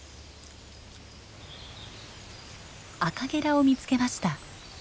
アカゲラを見つけました。